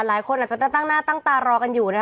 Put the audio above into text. หลายคนอาจจะตั้งหน้าตั้งตารอกันอยู่นะคะ